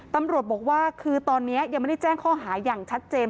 ตำรวจบอกว่าคือตอนนี้ยังไม่ได้แจ้งข้อหาอย่างชัดเจน